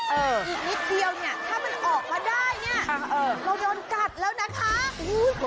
อีกนิดเดียวถ้ามันออกมาได้เราโยนกัดแล้วนะคะ